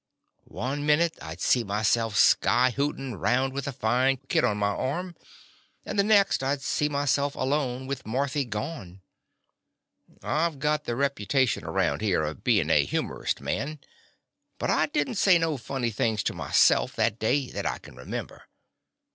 One minute I 'd see myself sky hootin' round with a fine kid on my arm, and the next I 'd see myself alone, with Marthy gone. I \t got the reputation around here of being a humorist man, but I did n't say no funny sayings to myself that day, that I can remember.